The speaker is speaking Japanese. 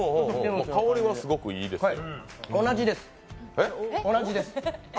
香りはすごくいいですよ。